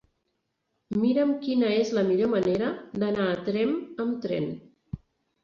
Mira'm quina és la millor manera d'anar a Tremp amb tren.